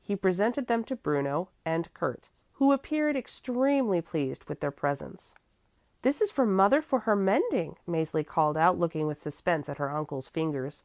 He presented them to Bruno and Kurt who appeared extremely pleased with their presents. "This is for mother for her mending" Mäzli called out looking with suspense at her uncle's fingers.